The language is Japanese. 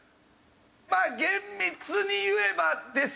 まあ厳密に言えばですかね？